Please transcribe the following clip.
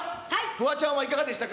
フワちゃんはいかがでしたか？